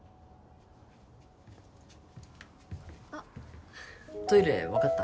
あっトイレ分かった？